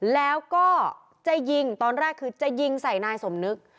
แล้วก็จะยิงตอนแรกคือจะยิงใส่นายสมนึก